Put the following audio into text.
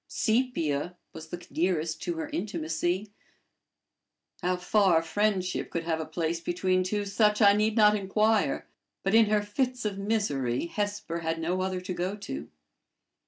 Sepia was the nearest to her intimacy: how far friendship could have place between two such I need not inquire; but in her fits of misery Hesper had no other to go to.